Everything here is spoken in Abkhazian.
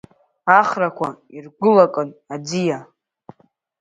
Ахрақәа иргәылакын аӡиа.